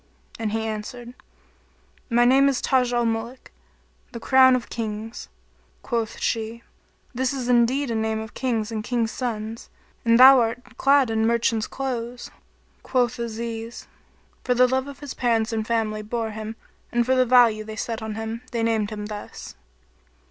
and he answered, "My name is Taj al Muluk, the Crown of Kings." Quoth she, "This is indeed a name of Kings and King's sons and thou art clad in merchant's clothes." Quoth Aziz, "for the love his parents and family bore him and for the value they set on him, they named him thus."